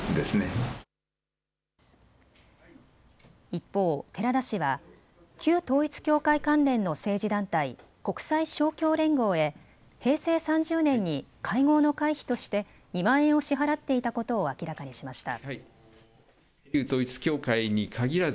一方、寺田氏は旧統一教会関連の政治団体、国際勝共連合へ平成３０年に会合の会費として２万円を支払っていたことを明らかにしました。